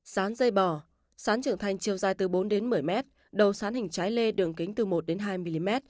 sán dây bò sán trưởng thành chiều dài từ bốn đến một mươi mét đầu sán hình trái lê đường kính từ một đến hai mm